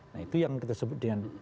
nah itu yang kita sebutkan